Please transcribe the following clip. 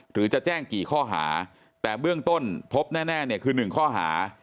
หรือจะแจ้งกี่ข้อหาแต่เบื้องต้นพบแน่เนี่ยคือ๑ข้อหา